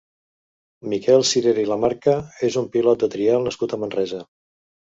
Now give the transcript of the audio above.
Miquel Cirera i Lamarca és un pilot de trial nascut a Manresa.